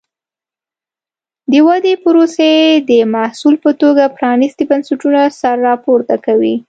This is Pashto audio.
د ودې پروسې د محصول په توګه پرانیستي بنسټونه سر راپورته کوي.